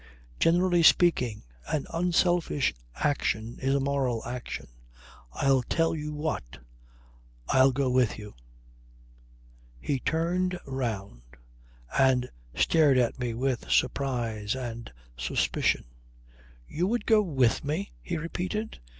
Generally speaking, an unselfish action is a moral action. I'll tell you what. I'll go with you." He turned round and stared at me with surprise and suspicion. "You would go with me?" he repeated.